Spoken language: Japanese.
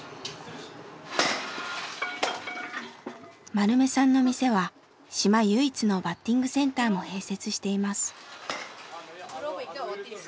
丸目さんの店は島唯一のバッティングセンターも併設しています。